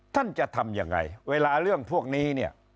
ท่านจะทำยังไงเวลาเรื่องพวกนี้เนี่ย